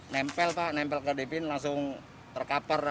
nempel pak nempel ke dipin langsung terkapar